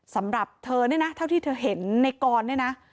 สำหรับเธอเนี่ยนะเท่าที่เธอเห็นในกรเนี่ยนะ